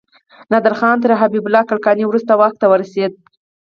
نادر خان تر حبيب الله کلکاني وروسته واک ته ورسيد.